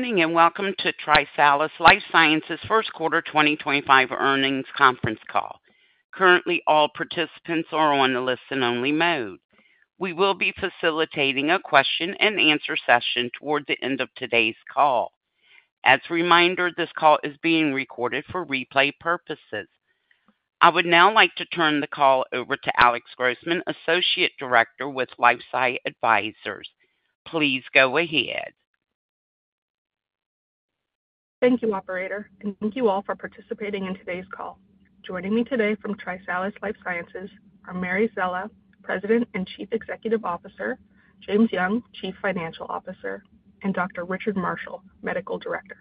Good morning and welcome to TriSalus Life Sciences first quarter 2025 earnings conference call. Currently, all participants are on a listen-only mode. We will be facilitating a question-and-answer session toward the end of today's call. As a reminder, this call is being recorded for replay purposes. I would now like to turn the call over to Alex Grossman, Associate Director with LifeSci Advisors. Please go ahead. Thank you, Operator, and thank you all for participating in today's call. Joining me today from TriSalus Life Sciences are Mary Szela, President and Chief Executive Officer; James Young, Chief Financial Officer; and Dr. Richard Marshall, Medical Director.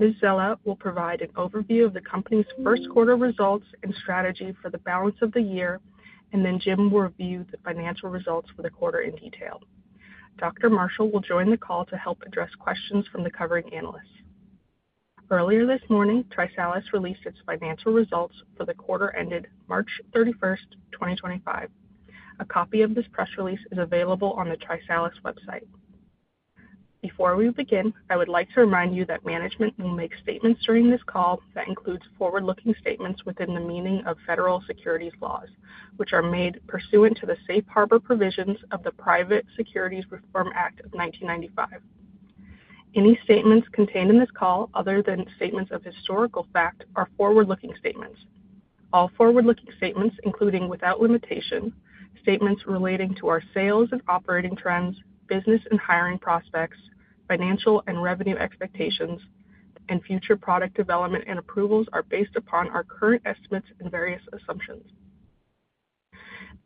Ms. Szela will provide an overview of the company's first quarter results and strategy for the balance of the year, and then Jim will review the financial results for the quarter in detail. Dr. Marshall will join the call to help address questions from the covering analysts. Earlier this morning, TriSalus released its financial results for the quarter ended March 31st, 2025. A copy of this press release is available on the TriSalus website. Before we begin, I would like to remind you that management will make statements during this call that include forward-looking statements within the meaning of federal securities laws, which are made pursuant to the Safe Harbor Provisions of the Private Securities Reform Act of 1995. Any statements contained in this call, other than statements of historical fact, are forward-looking statements. All forward-looking statements, including without limitation, statements relating to our sales and operating trends, business and hiring prospects, financial and revenue expectations, and future product development and approvals, are based upon our current estimates and various assumptions.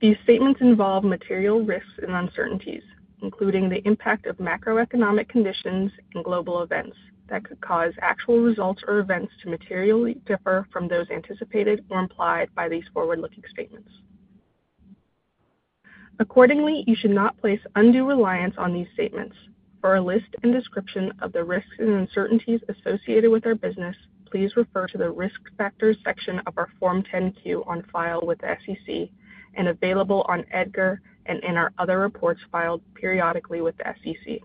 These statements involve material risks and uncertainties, including the impact of macroeconomic conditions and global events that could cause actual results or events to materially differ from those anticipated or implied by these forward-looking statements. Accordingly, you should not place undue reliance on these statements. For a list and description of the risks and uncertainties associated with our business, please refer to the risk factors section of our Form 10-Q on file with the SEC and available on EDGAR and in our other reports filed periodically with the SEC.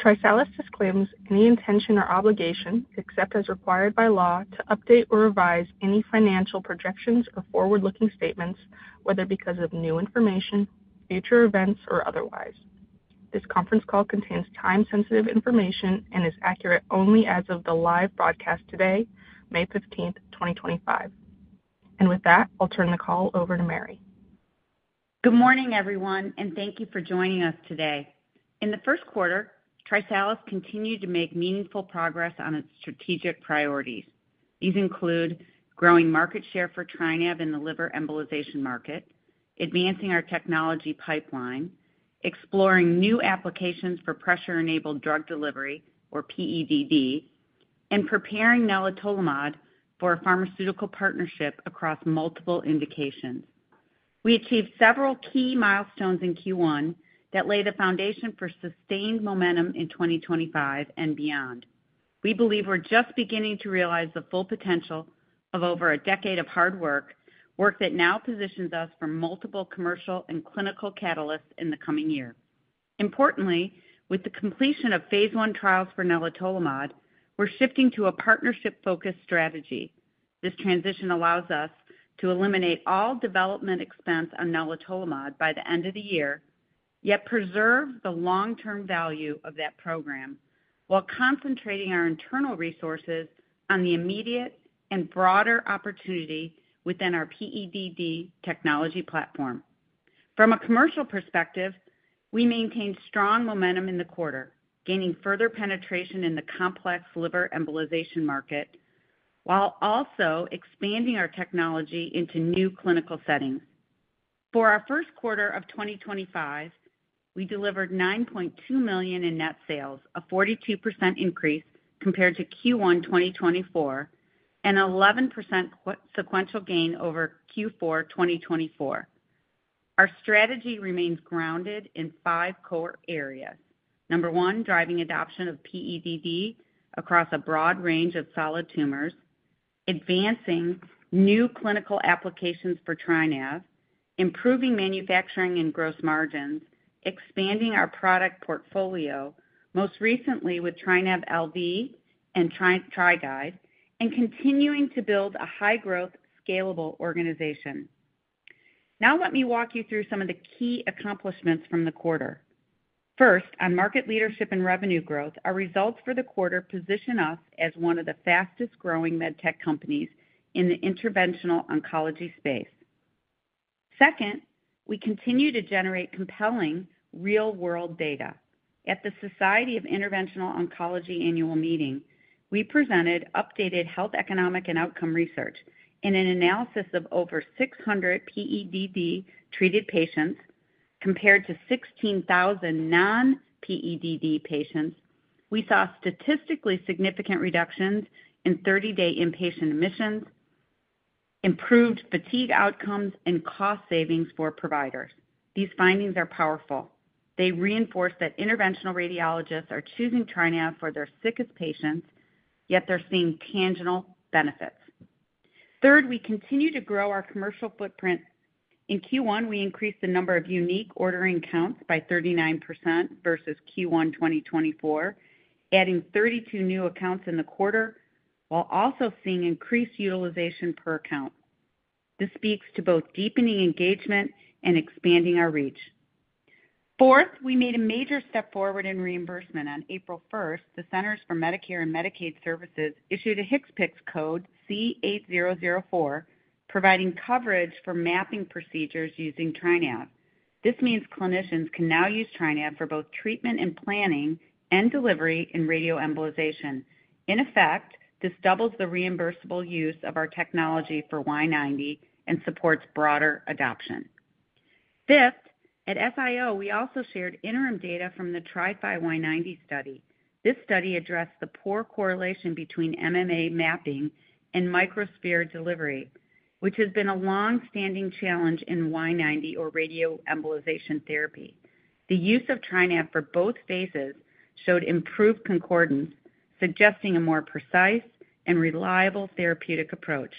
TriSalus disclaims any intention or obligation, except as required by law, to update or revise any financial projections or forward-looking statements, whether because of new information, future events, or otherwise. This conference call contains time-sensitive information and is accurate only as of the live broadcast today, May 15th, 2025. With that, I'll turn the call over to Mary. Good morning, everyone, and thank you for joining us today. In the first quarter, TriSalus continued to make meaningful progress on its strategic priorities. These include growing market share for TriNav in the liver embolization market, advancing our technology pipeline, exploring new applications for pressure-enabled drug delivery, or PEDD, and preparing Nelitolimod for a pharmaceutical partnership across multiple indications. We achieved several key milestones in Q1 that laid a foundation for sustained momentum in 2025 and beyond. We believe we're just beginning to realize the full potential of over a decade of hard work, work that now positions us for multiple commercial and clinical catalysts in the coming year. Importantly, with the completion of phase I trials for Nelitolimod, we're shifting to a partnership-focused strategy. This transition allows us to eliminate all development expense on Nelitolimod by the end of the year, yet preserve the long-term value of that program while concentrating our internal resources on the immediate and broader opportunity within our PEDD technology platform. From a commercial perspective, we maintained strong momentum in the quarter, gaining further penetration in the complex liver embolization market while also expanding our technology into new clinical settings. For our first quarter of 2025, we delivered $9.2 million in net sales, a 42% increase compared to Q1 2024, and an 11% sequential gain over Q4 2024. Our strategy remains grounded in five core areas: number one, driving adoption of PEDD across a broad range of solid tumors; advancing new clinical applications for TriNav; improving manufacturing and gross margins; expanding our product portfolio, most recently with TriNav LV and TriGuide; and continuing to build a high-growth, scalable organization. Now, let me walk you through some of the key accomplishments from the quarter. First, on market leadership and revenue growth, our results for the quarter position us as one of the fastest-growing medtech companies in the interventional oncology space. Second, we continue to generate compelling real-world data. At the Society of Interventional Oncology annual meeting, we presented updated health economic and outcome research in an analysis of over 600 PEDD-treated patients compared to 16,000 non-PEDD patients. We saw statistically significant reductions in 30-day inpatient admissions, improved fatigue outcomes, and cost savings for providers. These findings are powerful. They reinforce that interventional radiologists are choosing TriNav for their sickest patients, yet they're seeing tangible benefits. Third, we continue to grow our commercial footprint. In Q1, we increased the number of unique ordering accounts by 39% versus Q1 2024, adding 32 new accounts in the quarter while also seeing increased utilization per account. This speaks to both deepening engagement and expanding our reach. Fourth, we made a major step forward in reimbursement. On April 1st, the Centers for Medicare and Medicaid Services issued a HCPCS code C8004, providing coverage for mapping procedures using TriNav. This means clinicians can now use TriNav for both treatment and planning and delivery in radioembolization. In effect, this doubles the reimbursable use of our technology for Y-90 and supports broader adoption. Fifth, at SIO, we also shared interim data from the Tri-Fi Y-90 study. This study addressed the poor correlation between MAA mapping and microsphere delivery, which has been a long-standing challenge in Y-90 or radioembolization therapy. The use of TriNav for both phases showed improved concordance, suggesting a more precise and reliable therapeutic approach.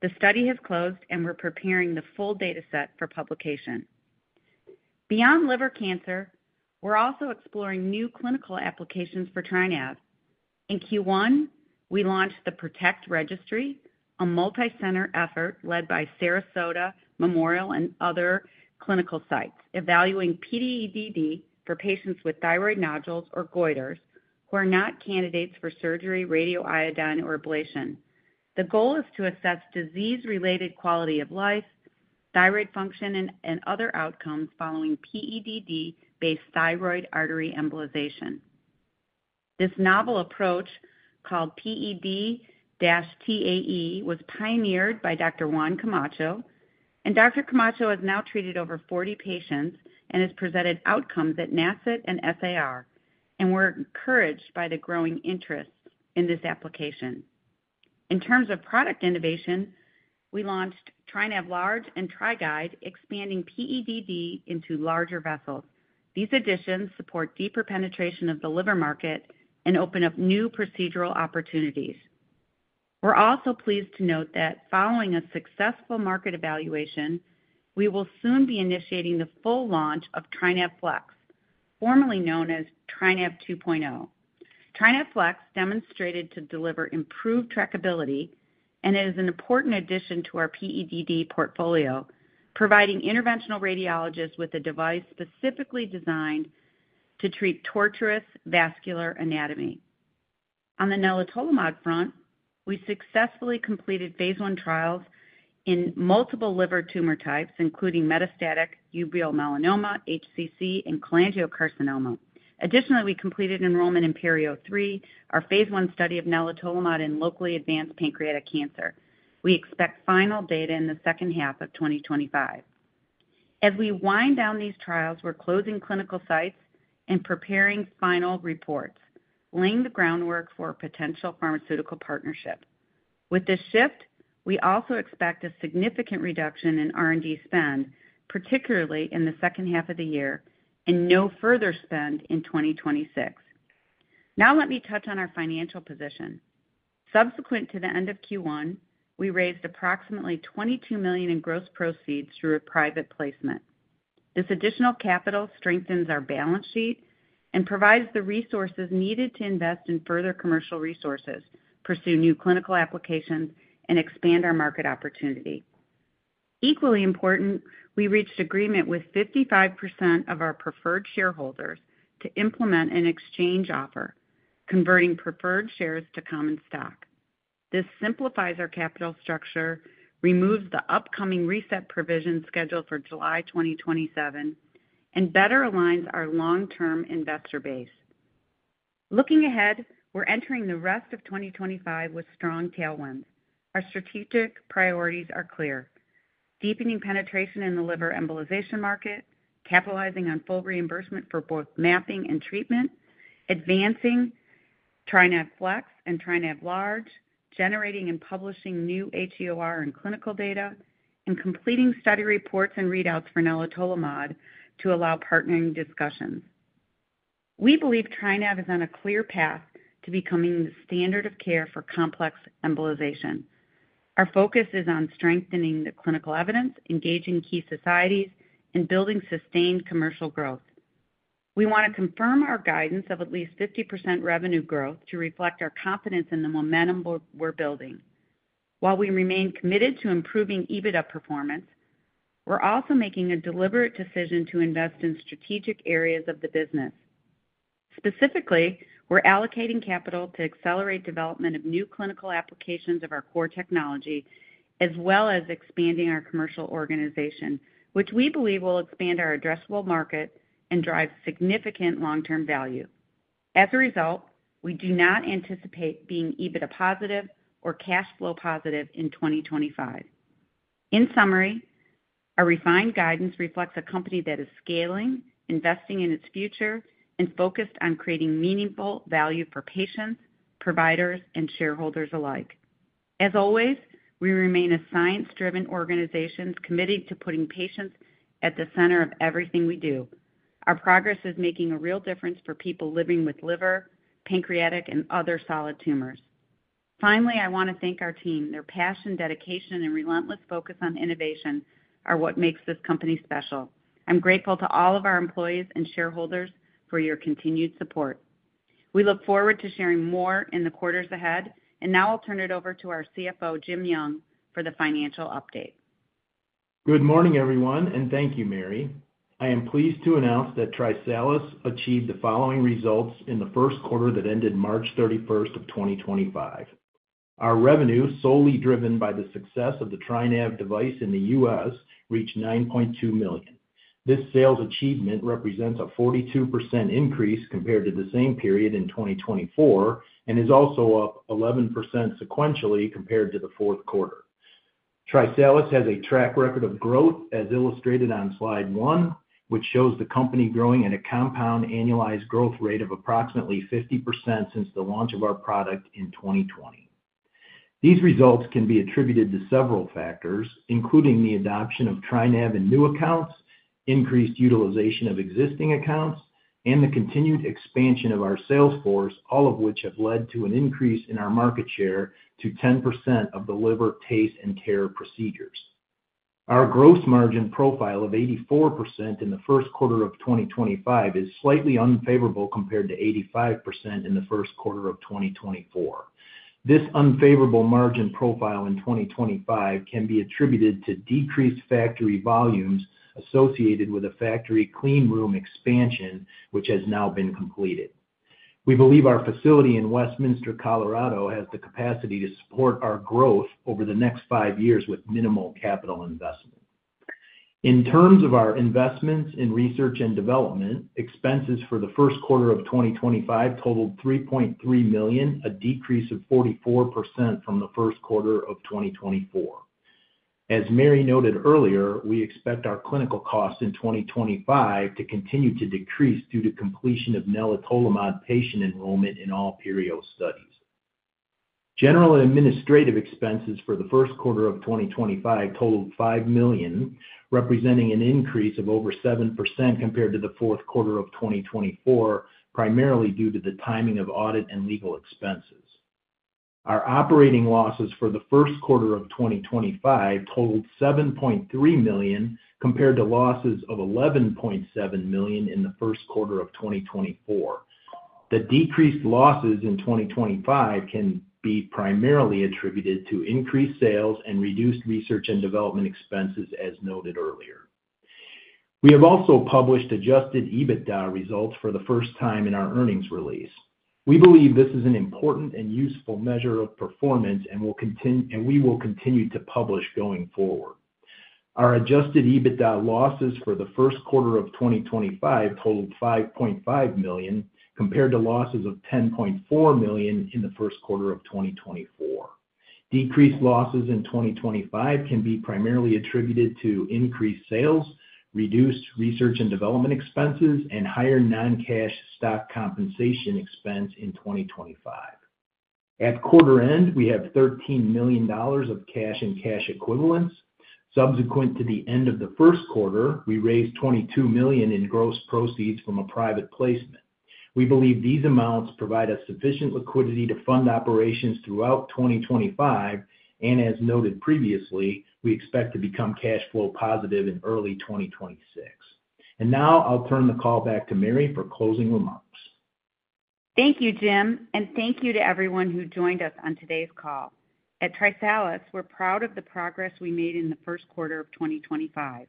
The study has closed, and we're preparing the full dataset for publication. Beyond liver cancer, we're also exploring new clinical applications for TriNav. In Q1, we launched the PROTECT registry, a multi-center effort led by Sarasota Memorial and other clinical sites, evaluating PEDD for patients with thyroid nodules or goiters who are not candidates for surgery, radioiodine, or ablation. The goal is to assess disease-related quality of life, thyroid function, and other outcomes following PEDD-based thyroid artery embolization. This novel approach, called PED-TAE, was pioneered by Dr. Juan Camacho, and Dr. Camacho has now treated over 40 patients and has presented outcomes at NASCI and SAR, and we're encouraged by the growing interest in this application. In terms of product innovation, we launched TriNav Large and TriGuide, expanding PEDD into larger vessels. These additions support deeper penetration of the liver market and open up new procedural opportunities. We're also pleased to note that following a successful market evaluation, we will soon be initiating the full launch of TriNav FLX, formerly known as TriNav 2.0. TriNav FLX demonstrated to deliver improved trackability, and it is an important addition to our PEDD portfolio, providing interventional radiologists with a device specifically designed to treat tortuous vascular anatomy. On the Nelitolimod front, we successfully completed phase I trials in multiple liver tumor types, including metastatic uveal melanoma, HCC, and cholangiocarcinoma. Additionally, we completed enrollment in PERIO-3, our phase I study of Nelitolimod in locally advanced pancreatic cancer. We expect final data in the second half of 2025. As we wind down these trials, we're closing clinical sites and preparing final reports, laying the groundwork for a potential pharmaceutical partnership. With this shift, we also expect a significant reduction in R&D spend, particularly in the second half of the year, and no further spend in 2026. Now, let me touch on our financial position. Subsequent to the end of Q1, we raised approximately $22 million in gross proceeds through a private placement. This additional capital strengthens our balance sheet and provides the resources needed to invest in further commercial resources, pursue new clinical applications, and expand our market opportunity. Equally important, we reached agreement with 55% of our preferred shareholders to implement an exchange offer, converting preferred shares to common stock. This simplifies our capital structure, removes the upcoming reset provision scheduled for July 2027, and better aligns our long-term investor base. Looking ahead, we're entering the rest of 2025 with strong tailwinds. Our strategic priorities are clear: deepening penetration in the liver embolization market, capitalizing on full reimbursement for both mapping and treatment, advancing TriNav FLX and TriNav Large, generating and publishing new HEOR and clinical data, and completing study reports and readouts for Nelitolimod to allow partnering discussions. We believe TriNav is on a clear path to becoming the standard of care for complex embolization. Our focus is on strengthening the clinical evidence, engaging key societies, and building sustained commercial growth. We want to confirm our guidance of at least 50% revenue growth to reflect our confidence in the momentum we're building. While we remain committed to improving EBITDA performance, we're also making a deliberate decision to invest in strategic areas of the business. Specifically, we're allocating capital to accelerate development of new clinical applications of our core technology, as well as expanding our commercial organization, which we believe will expand our addressable market and drive significant long-term value. As a result, we do not anticipate being EBITDA positive or cash flow positive in 2025. In summary, our refined guidance reflects a company that is scaling, investing in its future, and focused on creating meaningful value for patients, providers, and shareholders alike. As always, we remain a science-driven organization committed to putting patients at the center of everything we do. Our progress is making a real difference for people living with liver, pancreatic, and other solid tumors. Finally, I want to thank our team. Their passion, dedication, and relentless focus on innovation are what makes this company special. I'm grateful to all of our employees and shareholders for your continued support. We look forward to sharing more in the quarters ahead, and now I'll turn it over to our CFO, Jim Young, for the financial update. Good morning, everyone, and thank you, Mary. I am pleased to announce that TriSalus achieved the following results in the first quarter that ended March 31st of 2025. Our revenue, solely driven by the success of the TriNav device in the U.S., reached $9.2 million. This sales achievement represents a 42% increase compared to the same period in 2024 and is also up 11% sequentially compared to the fourth quarter. TriSalus has a track record of growth, as illustrated on slide one, which shows the company growing at a compound annualized growth rate of approximately 50% since the launch of our product in 2020. These results can be attributed to several factors, including the adoption of TriNav in new accounts, increased utilization of existing accounts, and the continued expansion of our sales force, all of which have led to an increase in our market share to 10% of the liver, taste, and care procedures. Our gross margin profile of 84% in the first quarter of 2025 is slightly unfavorable compared to 85% in the first quarter of 2024. This unfavorable margin profile in 2025 can be attributed to decreased factory volumes associated with a factory clean room expansion, which has now been completed. We believe our facility in Westminster, Colorado, has the capacity to support our growth over the next five years with minimal capital investment. In terms of our investments in research and development, expenses for the first quarter of 2025 totaled $3.3 million, a decrease of 44% from the first quarter of 2024. As Mary noted earlier, we expect our clinical costs in 2025 to continue to decrease due to completion of Nelitolimod patient enrollment in all PERIO studies. General administrative expenses for the first quarter of 2025 totaled $5 million, representing an increase of over 7% compared to the fourth quarter of 2024, primarily due to the timing of audit and legal expenses. Our operating losses for the first quarter of 2025 totaled $7.3 million compared to losses of $11.7 million in the first quarter of 2024. The decreased losses in 2025 can be primarily attributed to increased sales and reduced research and development expenses, as noted earlier. We have also published adjusted EBITDA results for the first time in our earnings release. We believe this is an important and useful measure of performance, and we will continue to publish going forward. Our adjusted EBITDA losses for the first quarter of 2025 totaled $5.5 million compared to losses of $10.4 million in the first quarter of 2024. Decreased losses in 2025 can be primarily attributed to increased sales, reduced research and development expenses, and higher non-cash stock compensation expense in 2025. At quarter end, we have $13 million of cash and cash equivalents. Subsequent to the end of the first quarter, we raised $22 million in gross proceeds from a private placement. We believe these amounts provide us sufficient liquidity to fund operations throughout 2025, and as noted previously, we expect to become cash flow positive in early 2026. I will turn the call back to Mary for closing remarks. Thank you, Jim, and thank you to everyone who joined us on today's call. At TriSalus, we're proud of the progress we made in the first quarter of 2025.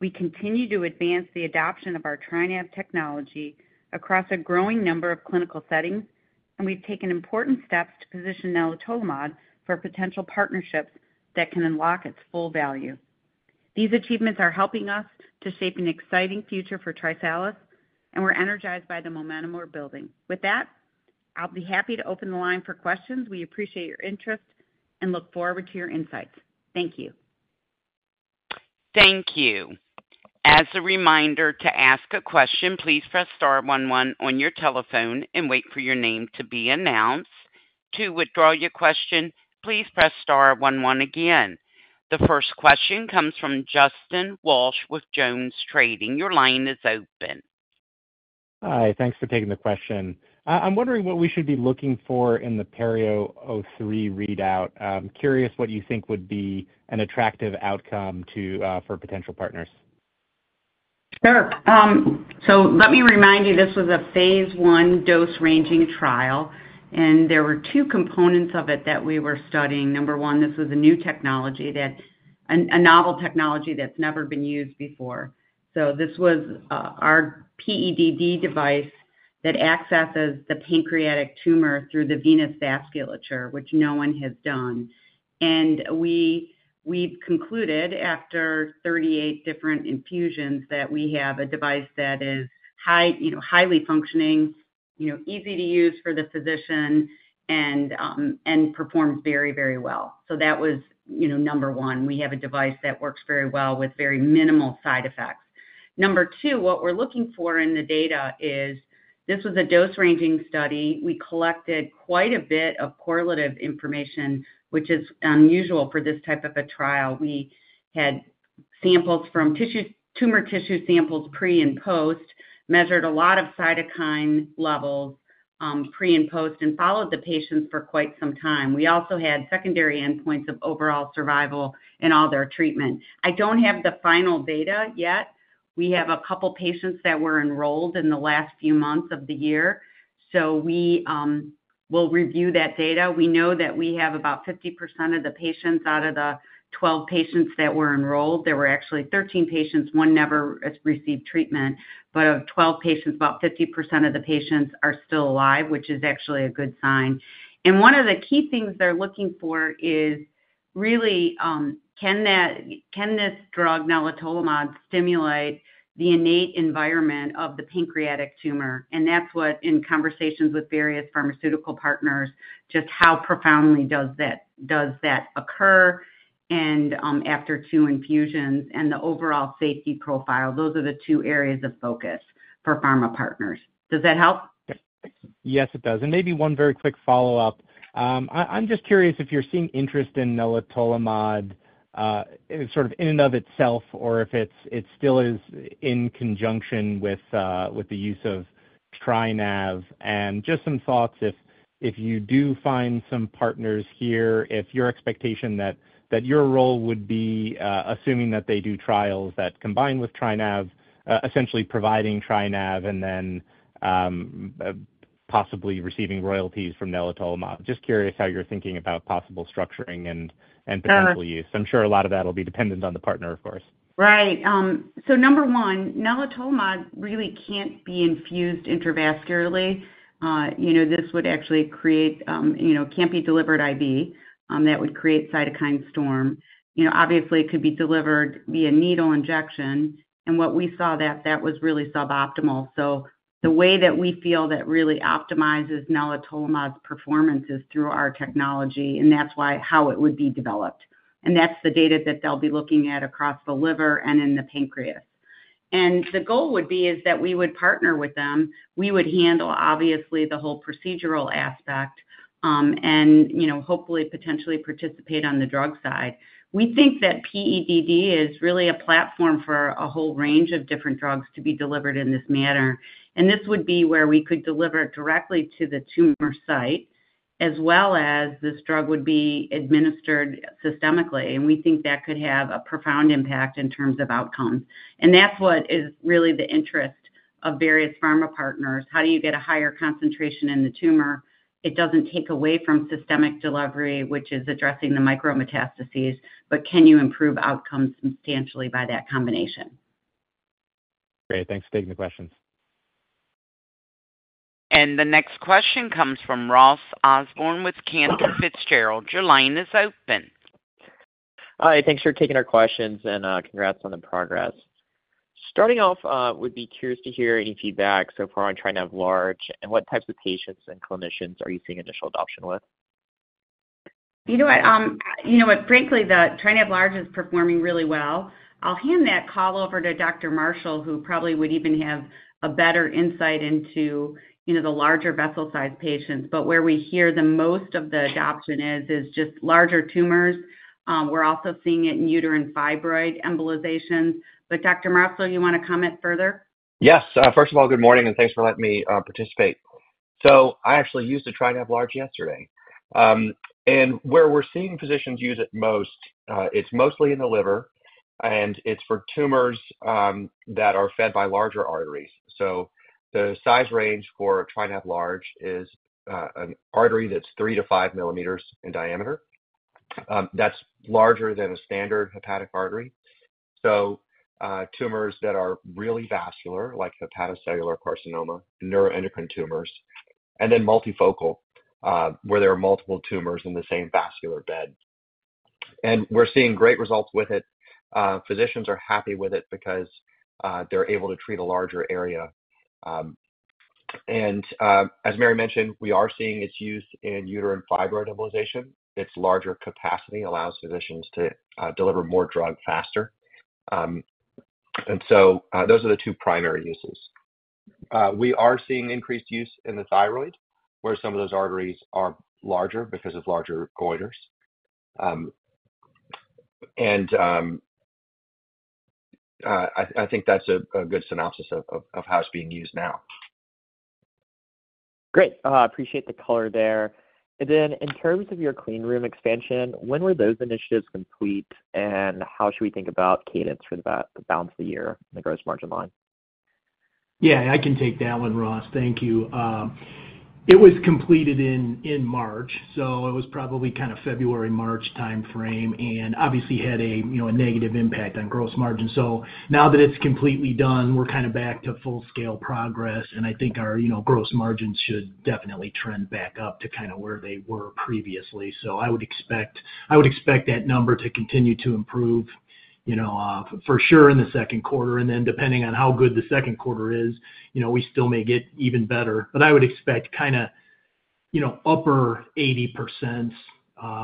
We continue to advance the adoption of our TriNav technology across a growing number of clinical settings, and we've taken important steps to position Nelitolimod for potential partnerships that can unlock its full value. These achievements are helping us to shape an exciting future for TriSalus, and we're energized by the momentum we're building. With that, I'll be happy to open the line for questions. We appreciate your interest and look forward to your insights. Thank you. Thank you. As a reminder to ask a question, please press star one one on your telephone and wait for your name to be announced. To withdraw your question, please press star one one again. The first question comes from Justin Walsh with JonesTrading. Your line is open. Hi, thanks for taking the question. I'm wondering what we should be looking for in the PERIO-3 readout. I'm curious what you think would be an attractive outcome for potential partners. Sure. Let me remind you, this was a phase I dose-ranging trial, and there were two components of it that we were studying. Number one, this was a new technology, a novel technology that's never been used before. This was our PEDD device that accesses the pancreatic tumor through the venous vasculature, which no one has done. We've concluded after 38 different infusions that we have a device that is highly functioning, easy to use for the physician, and performs very, very well. That was number one. We have a device that works very well with very minimal side effects. Number two, what we're looking for in the data is this was a dose-ranging study. We collected quite a bit of correlative information, which is unusual for this type of a trial. We had samples from tumor tissue samples pre and post, measured a lot of cytokine levels pre and post, and followed the patients for quite some time. We also had secondary endpoints of overall survival and all their treatment. I don't have the final data yet. We have a couple of patients that were enrolled in the last few months of the year, so we will review that data. We know that we have about 50% of the patients out of the 12 patients that were enrolled. There were actually 13 patients; one never received treatment, but of 12 patients, about 50% of the patients are still alive, which is actually a good sign. One of the key things they're looking for is really, can this drug, Nelitolimod, stimulate the innate environment of the pancreatic tumor. That is what, in conversations with various pharmaceutical partners, just how profoundly does that occur after two infusions and the overall safety profile. Those are the two areas of focus for pharma partners. Does that help? Yes, it does. Maybe one very quick follow-up. I'm just curious if you're seeing interest in Nelitolimod sort of in and of itself or if it still is in conjunction with the use of TriNav. Just some thoughts if you do find some partners here, if your expectation is that your role would be assuming that they do trials that combine with TriNav, essentially providing TriNav and then possibly receiving royalties from Nelitolimod. Just curious how you're thinking about possible structuring and potential use. I'm sure a lot of that will be dependent on the partner, of course. Right. Number one, Nelitolimod really can't be infused intravascularly. This would actually create, can't be delivered IV. That would create cytokine storm. Obviously, it could be delivered via needle injection, and what we saw, that was really suboptimal. The way that we feel that really optimizes Nelitolimod's performance is through our technology, and that's how it would be developed. That's the data that they'll be looking at across the liver and in the pancreas. The goal would be that we would partner with them. We would handle, obviously, the whole procedural aspect and hopefully potentially participate on the drug side. We think that PEDD is really a platform for a whole range of different drugs to be delivered in this manner. This would be where we could deliver it directly to the tumor site, as well as this drug would be administered systemically. We think that could have a profound impact in terms of outcomes. That is what is really the interest of various pharma partners. How do you get a higher concentration in the tumor. It does not take away from systemic delivery, which is addressing the micrometastases, but can you improve outcomes substantially by that combination. Great. Thanks for taking the questions. The next question comes from Ross Osborn with Cantor Fitzgerald. Your line is open. Hi. Thanks for taking our questions, and congrats on the progress. Starting off, I would be curious to hear any feedback so far on TriNav Large. And what types of patients and clinicians are you seeing initial adoption with? You know what? Frankly, the TriNav Large is performing really well. I'll hand that call over to Dr. Marshall, who probably would even have a better insight into the larger vessel size patients. Where we hear the most of the adoption is just larger tumors. We're also seeing it in uterine fibroid embolizations. Dr. Marshall, you want to comment further? Yes. First of all, good morning, and thanks for letting me participate. I actually used the TriNav Large yesterday. Where we're seeing physicians use it most, it's mostly in the liver, and it's for tumors that are fed by larger arteries. The size range for TriNav Large is an artery that's 3-5 mm in diameter. That's larger than a standard hepatic artery. Tumors that are really vascular, like hepatocellular carcinoma, neuroendocrine tumors, and then multifocal, where there are multiple tumors in the same vascular bed. We're seeing great results with it. Physicians are happy with it because they're able to treat a larger area. As Mary mentioned, we are seeing its use in uterine fibroid embolization. Its larger capacity allows physicians to deliver more drug faster. Those are the two primary uses. We are seeing increased use in the thyroid, where some of those arteries are larger because of larger goiters. I think that's a good synopsis of how it's being used now. Great. Appreciate the color there. In terms of your clean room expansion, when were those initiatives complete, and how should we think about cadence for the balance of the year and the gross margin line? Yeah, I can take that one, Ross. Thank you. It was completed in March, so it was probably kind of February, March timeframe, and obviously had a negative impact on gross margin. Now that it's completely done, we're kind of back to full-scale progress, and I think our gross margins should definitely trend back up to kind of where they were previously. I would expect that number to continue to improve for sure in the second quarter. Depending on how good the second quarter is, we still may get even better. I would expect kind of upper 80%.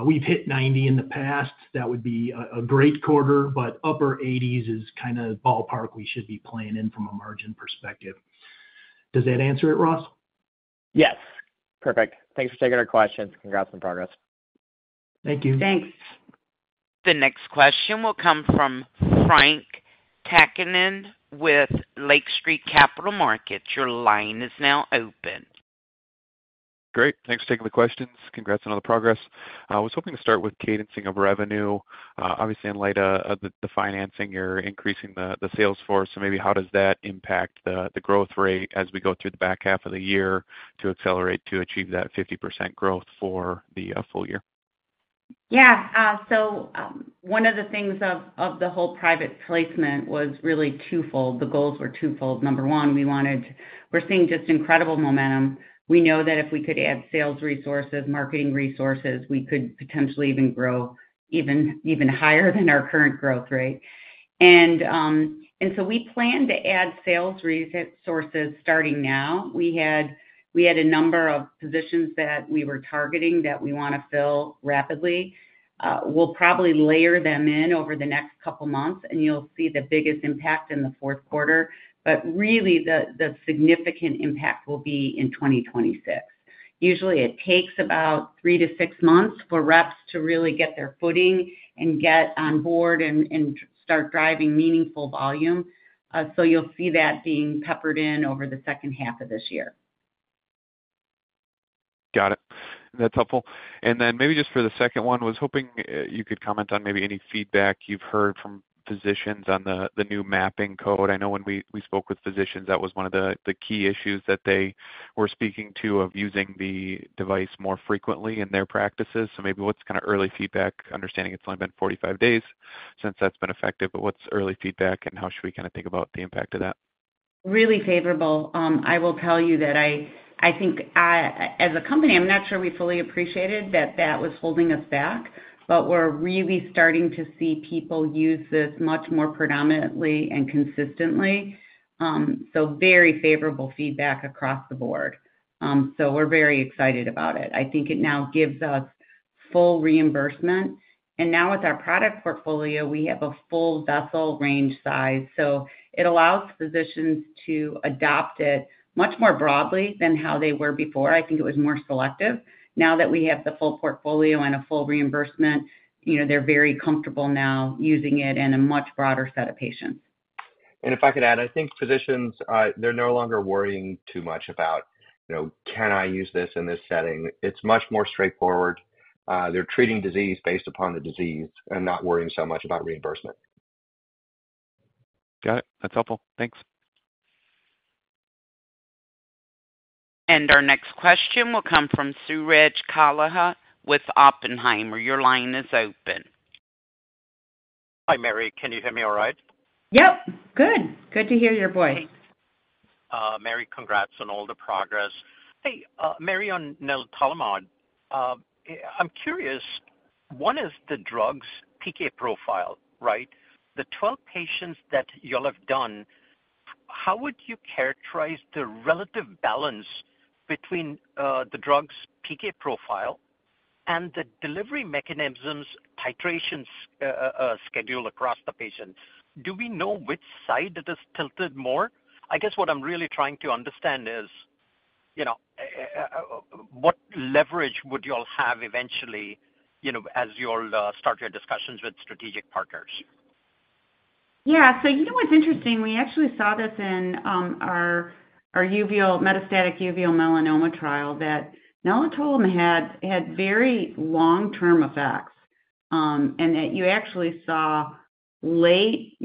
We've hit 90% in the past. That would be a great quarter, but upper 80% is kind of ballpark we should be playing in from a margin perspective. Does that answer it, Ross? Yes. Perfect. Thanks for taking our questions. Congrats on the progress. Thank you. Thanks. The next question will come from Frank Takkinen with Lake Street Capital Markets. Your line is now open. Great. Thanks for taking the questions. Congrats on all the progress. I was hoping to start with cadencing of revenue. Obviously, in light of the financing, you're increasing the sales force. Maybe how does that impact the growth rate as we go through the back half of the year to accelerate to achieve that 50% growth for the full year? Yeah. One of the things of the whole private placement was really twofold. The goals were twofold. Number one, we wanted, we're seeing just incredible momentum. We know that if we could add sales resources, marketing resources, we could potentially even grow even higher than our current growth rate. We plan to add sales resources starting now. We had a number of positions that we were targeting that we want to fill rapidly. We'll probably layer them in over the next couple of months, and you'll see the biggest impact in the fourth quarter. Really, the significant impact will be in 2026. Usually, it takes about three to six months for reps to really get their footing and get on board and start driving meaningful volume. You'll see that being peppered in over the second half of this year. Got it. That's helpful. Maybe just for the second one, I was hoping you could comment on maybe any feedback you've heard from physicians on the new mapping code. I know when we spoke with physicians, that was one of the key issues that they were speaking to of using the device more frequently in their practices. Maybe what's kind of early feedback? Understanding it's only been 45 days since that's been effective, but what's early feedback, and how should we kind of think about the impact of that? Really favorable. I will tell you that I think as a company, I'm not sure we fully appreciated that that was holding us back, but we're really starting to see people use this much more predominantly and consistently. Very favorable feedback across the board. We're very excited about it. I think it now gives us full reimbursement. Now with our product portfolio, we have a full vessel range size. It allows physicians to adopt it much more broadly than how they were before. I think it was more selective. Now that we have the full portfolio and full reimbursement, they're very comfortable now using it in a much broader set of patients. I think physicians, they're no longer worrying too much about, "Can I use this in this setting?" It's much more straightforward. They're treating disease based upon the disease and not worrying so much about reimbursement. Got it. That's helpful. Thanks. Our next question will come from Suraj Kalia with Oppenheimer. Your line is open. Hi, Mary. Can you hear me all right? Yep. Good. Good to hear your voice. Mary, congrats on all the progress. Hey, Mary, on Nelitolimod, I'm curious, what is the drug's PK profile, right? The 12 patients that you all have done, how would you characterize the relative balance between the drug's PK profile and the delivery mechanisms, titration schedule across the patient? Do we know which side it is tilted more? I guess what I'm really trying to understand is what leverage would you all have eventually as you all start your discussions with strategic partners? Yeah. So you know what's interesting? We actually saw this in our metastatic uveal melanoma trial that Nelitolimod had very long-term effects and that you actually saw late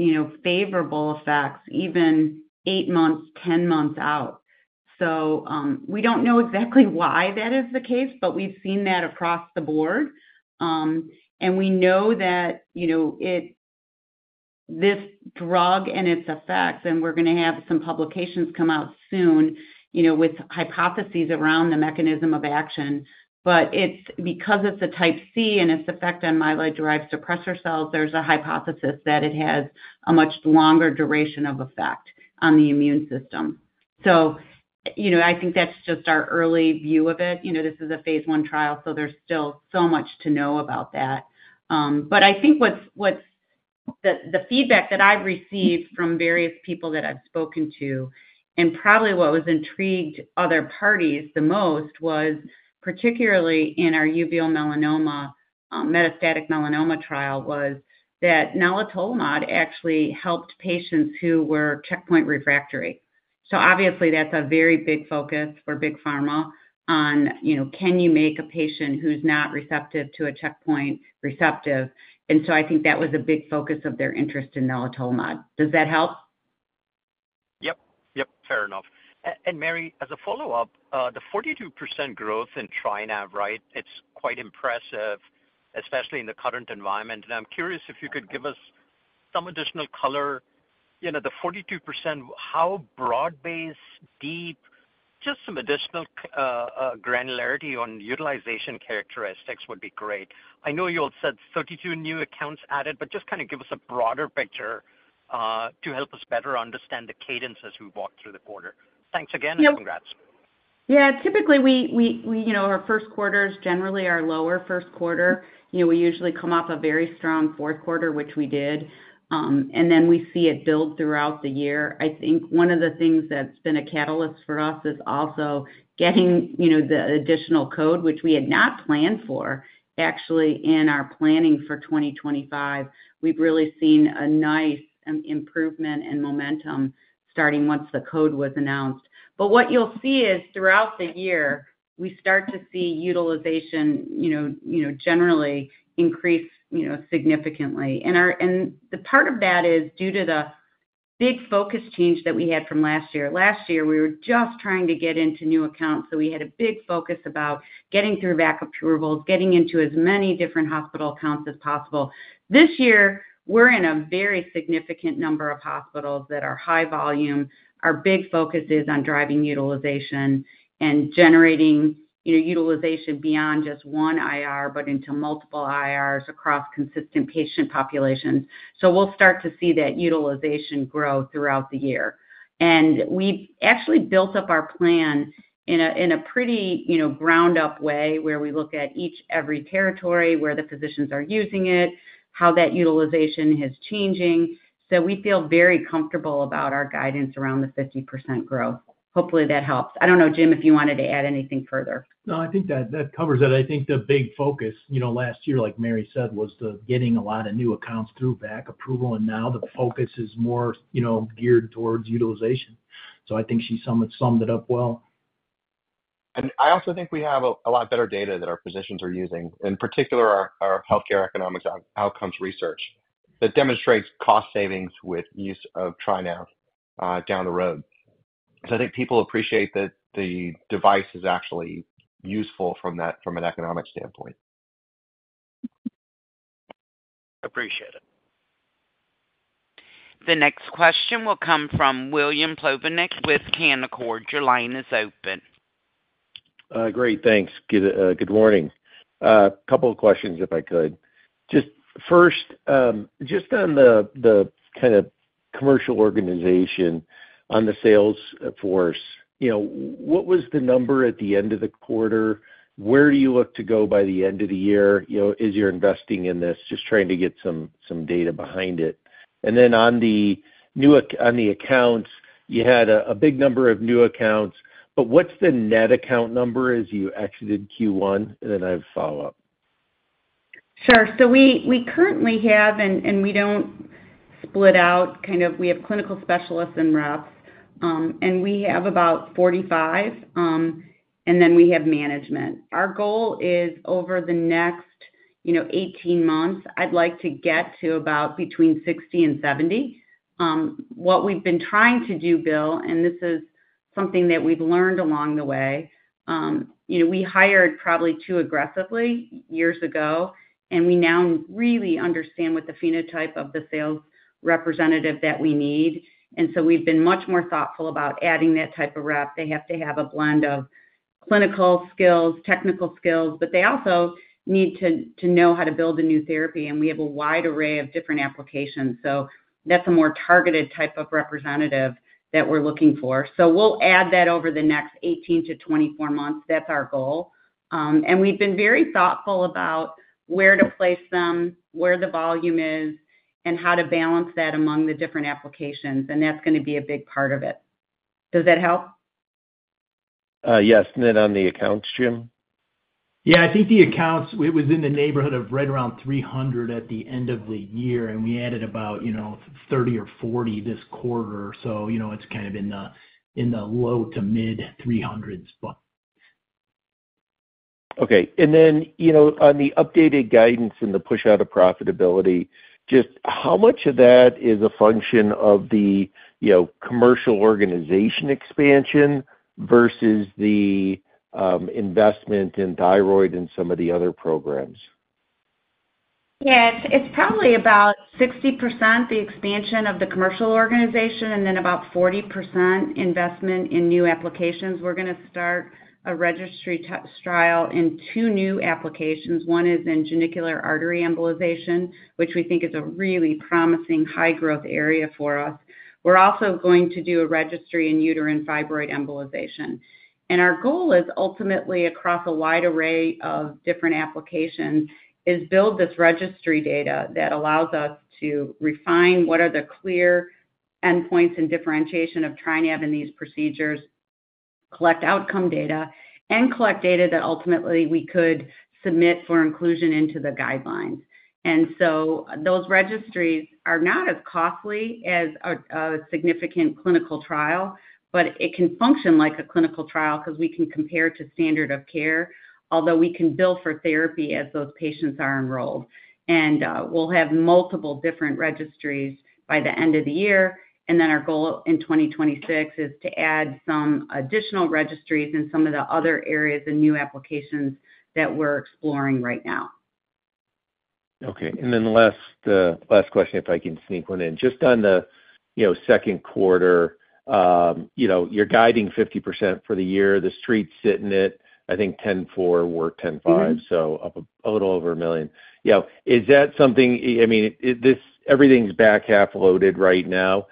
favorable effects even 8 months, 10 months out. We don't know exactly why that is the case, but we've seen that across the board. We know that this drug and its effects, and we're going to have some publications come out soon with hypotheses around the mechanism of action. Because it's a type C and its effect on myeloid-derived suppressor cells, there's a hypothesis that it has a much longer duration of effect on the immune system. I think that's just our early view of it. This is a phase I trial, so there's still so much to know about that. I think the feedback that I've received from various people that I've spoken to, and probably what has intrigued other parties the most, was particularly in our uveal melanoma metastatic melanoma trial, was that Nelitolimod actually helped patients who were checkpoint refractory. Obviously, that's a very big focus for big pharma on, "Can you make a patient who's not receptive to a checkpoint receptive?" I think that was a big focus of their interest in Nelitolimod. Does that help? Yep. Yep. Fair enough. Mary, as a follow-up, the 42% growth in TriNav, right? It's quite impressive, especially in the current environment. I'm curious if you could give us some additional color. The 42%, how broad-based, deep? Just some additional granularity on utilization characteristics would be great. I know you all said 32 new accounts added, but just kind of give us a broader picture to help us better understand the cadence as we walk through the quarter. Thanks again, and congrats. Yeah. Typically, our first quarters generally are lower first quarter. We usually come off a very strong fourth quarter, which we did, and then we see it build throughout the year. I think one of the things that's been a catalyst for us is also getting the additional code, which we had not planned for, actually in our planning for 2025. We've really seen a nice improvement in momentum starting once the code was announced. What you'll see is throughout the year, we start to see utilization generally increase significantly. The part of that is due to the big focus change that we had from last year. Last year, we were just trying to get into new accounts, so we had a big focus about getting through VAC approvals, getting into as many different hospital accounts as possible. This year, we're in a very significant number of hospitals that are high volume. Our big focus is on driving utilization and generating utilization beyond just one IR, but into multiple IRs across consistent patient populations. We'll start to see that utilization grow throughout the year. We actually built up our plan in a pretty ground-up way where we look at each and every territory where the physicians are using it, how that utilization is changing. We feel very comfortable about our guidance around the 50% growth. Hopefully, that helps. I don't know, Jim, if you wanted to add anything further. No, I think that covers it. I think the big focus last year, like Mary said, was getting a lot of new accounts through VAC approval, and now the focus is more geared towards utilization. I think she summed it up well. I also think we have a lot better data that our physicians are using, in particular our health economics outcomes research that demonstrates cost savings with use of TriNav down the road. I think people appreciate that the device is actually useful from an economic standpoint. Appreciate it. The next question will come from William Plovanic with Canaccord. Your line is open. Great. Thanks. Good morning. A couple of questions, if I could. Just first, just on the kind of commercial organization on the sales force, what was the number at the end of the quarter? Where do you look to go by the end of the year as you're investing in this? Just trying to get some data behind it. Then on the accounts, you had a big number of new accounts, but what's the net account number as you exited Q1? I have a follow-up. Sure. We currently have, and we don't split out, kind of, we have clinical specialists and reps, and we have about 45, and then we have management. Our goal is over the next 18 months, I'd like to get to about between 60 and 70. What we've been trying to do, Bill, and this is something that we've learned along the way. We hired probably too aggressively years ago, and we now really understand what the phenotype of the sales representative that we need. We've been much more thoughtful about adding that type of rep. They have to have a blend of clinical skills, technical skills, but they also need to know how to build a new therapy, and we have a wide array of different applications. That's a more targeted type of representative that we're looking for. We'll add that over the next 18 to 24 months. That's our goal. We've been very thoughtful about where to place them, where the volume is, and how to balance that among the different applications. That's going to be a big part of it. Does that help? Yes. And then on the accounts, Jim? Yeah. I think the accounts, it was in the neighborhood of right around 300 at the end of the year, and we added about 30 or 40 this quarter. It is kind of in the low to mid 300s. Okay. And then on the updated guidance and the push out of profitability, just how much of that is a function of the commercial organization expansion versus the investment in thyroid and some of the other programs? Yeah. It's probably about 60% the expansion of the commercial organization and then about 40% investment in new applications. We're going to start a registry trial in two new applications. One is in genicular artery embolization, which we think is a really promising high-growth area for us. We're also going to do a registry in uterine fibroid embolization. Our goal is ultimately across a wide array of different applications is build this registry data that allows us to refine what are the clear endpoints and differentiation of TriNav in these procedures, collect outcome data, and collect data that ultimately we could submit for inclusion into the guidelines. Those registries are not as costly as a significant clinical trial, but it can function like a clinical trial because we can compare to standard of care, although we can bill for therapy as those patients are enrolled. We will have multiple different registries by the end of the year. Our goal in 2026 is to add some additional registries in some of the other areas and new applications that we are exploring right now. Okay. And then last question, if I can sneak one in. Just on the second quarter, you're guiding 50% for the year. The street's hitting it. I think 10-4 or 10-5, so a little over $1 million. Yeah. Is that something, I mean, everything's back half loaded right now.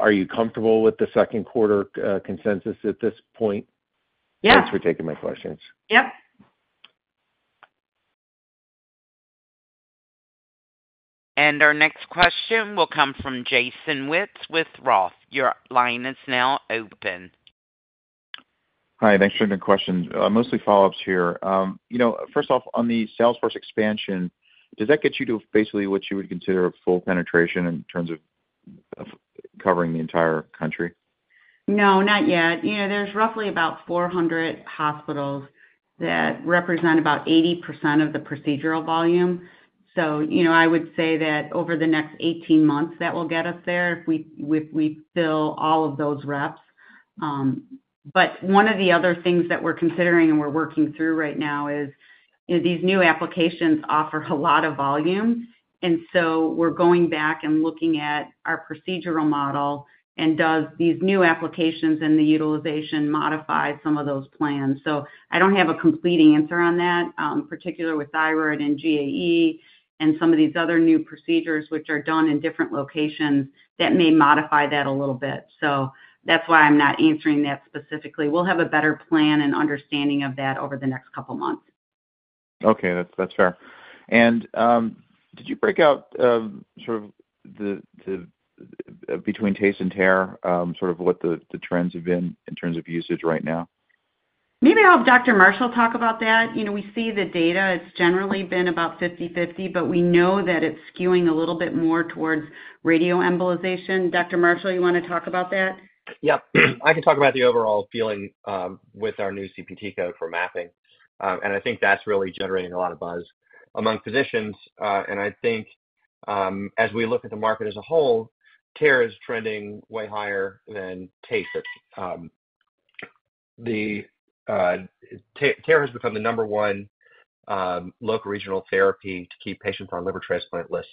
Are you comfortable with the second quarter consensus at this point? Yeah. Thanks for taking my questions. Yep. Our next question will come from Jason Wittes with Roth. Your line is now open. Hi. Thanks for the question. Mostly follow-ups here. First off, on the sales force expansion, does that get you to basically what you would consider a full penetration in terms of covering the entire country? No, not yet. There's roughly about 400 hospitals that represent about 80% of the procedural volume. I would say that over the next 18 months, that will get us there if we fill all of those reps. One of the other things that we're considering and we're working through right now is these new applications offer a lot of volume. We're going back and looking at our procedural model and do these new applications and the utilization modify some of those plans. I don't have a complete answer on that, particularly with thyroid and GAE and some of these other new procedures, which are done in different locations that may modify that a little bit. That's why I'm not answering that specifically. We'll have a better plan and understanding of that over the next couple of months. Okay. That's fair. Did you break out sort of between TACE and TARE sort of what the trends have been in terms of usage right now? Maybe I'll have Dr. Marshall talk about that. We see the data. It's generally been about 50/50, but we know that it's skewing a little bit more towards radioembolization. Dr. Marshall, you want to talk about that? Yeah. I can talk about the overall feeling with our new CPT code for mapping. I think that's really generating a lot of buzz among physicians. I think as we look at the market as a whole, the TARE is trending way higher than TACE. The TARE has become the number one local regional therapy to keep patients on liver transplant lists.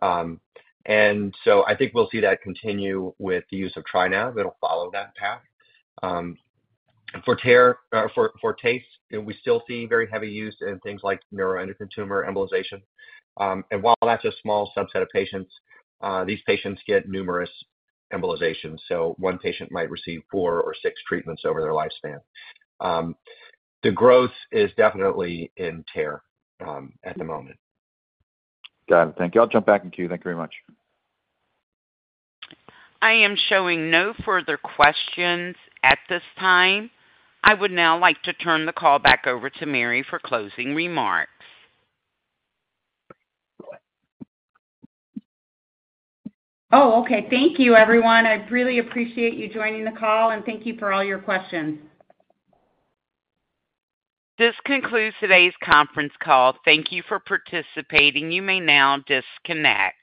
I think we'll see that continue with the use of TriNav. It'll follow that path. For TACE, we still see very heavy use in things like neuroendocrine tumor embolization. While that's a small subset of patients, these patients get numerous embolizations. One patient might receive four or six treatments over their lifespan. The growth is definitely in TARE at the moment. Got it. Thank you. I'll jump back in queue. Thank you very much. I am showing no further questions at this time. I would now like to turn the call back over to Mary for closing remarks. Oh, okay. Thank you, everyone. I really appreciate you joining the call, and thank you for all your questions. This concludes today's conference call. Thank you for participating. You may now disconnect.